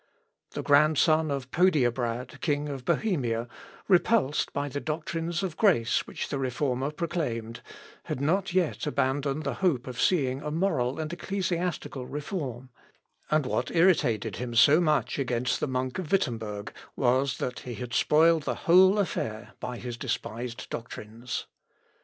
The grandson of Podiebrad, King of Bohemia, repulsed by the doctrines of grace which the Reformer proclaimed, had not yet abandoned the hope of seeing a moral and ecclesiastical reform, and what irritated him so much against the monk of Wittemberg, was that he had spoiled the whole affair by his despised doctrines.